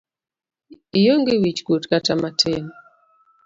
Ionge wich kuot kata matin.